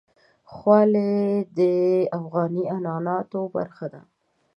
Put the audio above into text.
خولۍ د افغاني عنعناتو برخه ده.